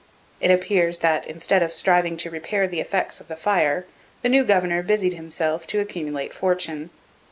It appears that, instead of striving to repair the effects of the fire, the new governor busied himself to accumulate fortune.